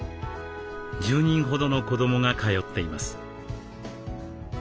１０人ほどの子どもが通っています。